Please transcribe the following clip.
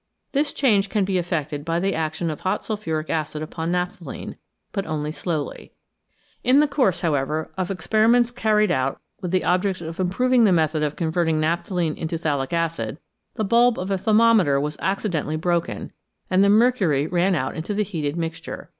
This change can be effected by the action of hot sulphuric acid upon naphthalene, but only slowly. In the course, however, of experiments carried out with the object of improving the method of converting naphthalene into phthalic acid, the bulb of a thermometer was accident ally broken, and the mercury ran out into the heated mixture.